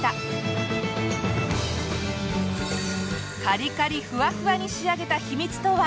カリカリふわふわに仕上げた秘密とは？